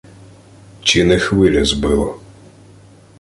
Чи не хвиля збила?